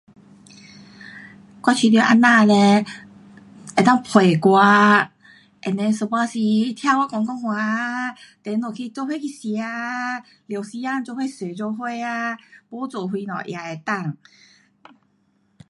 um 我觉得这样呢可以陪我。and then 有时候听我说说话啊，then 我们去做伙去吃啊，花时间。